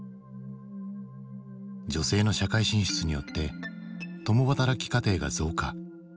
女性の社会進出によって共働き家庭が増加。